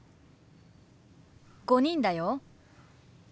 ５人だよ。